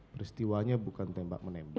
peristiwanya bukan tembak menembak